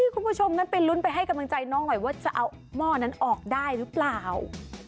คุณผู้ชมงั้นไปลุ้นไปให้กำลังใจน้องหน่อยว่าจะเอาหม้อนั้นออกได้หรือเปล่า